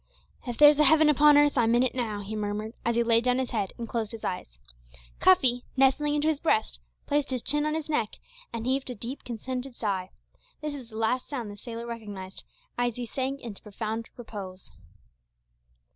"If there's a heaven upon earth, I'm in it now," he murmured, as he laid down his head and closed his eyes. Cuffy, nestling into his breast, placed his chin on his neck, and heaved a deep, contented sigh. This was the last sound the sailor recognised, as he sank into profound repose.